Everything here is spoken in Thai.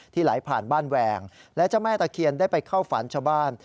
ไหลผ่านบ้านแหวงและเจ้าแม่ตะเคียนได้ไปเข้าฝันชาวบ้าน